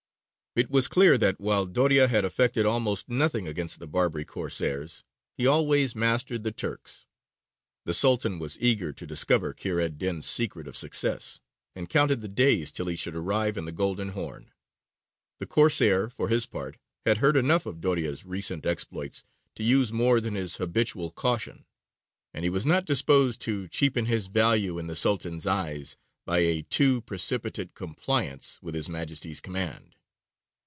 It was clear that, while Doria had effected almost nothing against the Barbary Corsairs, he always mastered the Turks. The Sultan was eager to discover Kheyr ed dīn's secret of success, and counted the days till he should arrive in the Golden Horn. The Corsair, for his part, had heard enough of Doria's recent exploits to use more than his habitual caution, and he was not disposed to cheapen his value in the Sultan's eyes by a too precipitate compliance with his Majesty's command.